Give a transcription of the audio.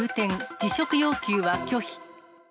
辞職要求は拒否。